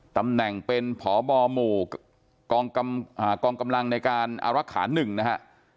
ตำแหน่งเป็นพบหมู่กองกำลังในการอารักษา๑นะฮะ